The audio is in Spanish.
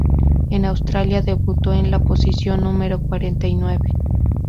En Australia debutó en la posición número cuarenta y nueve.